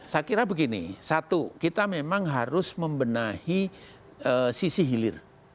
saya kira begini satu kita memang harus membenahi sisi hilir